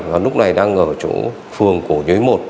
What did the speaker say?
và lúc này đang ở chỗ phường cổ nhuế một